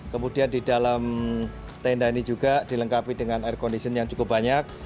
kemudian di dalam tenda ini juga dilengkapi dengan air condition yang cukup banyak